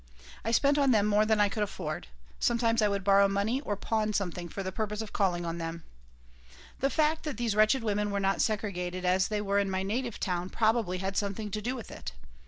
I spent on them more than I could afford. Sometimes I would borrow money or pawn something for the purpose of calling on them The fact that these wretched women were not segregated as they were in my native town probably had something to do with it.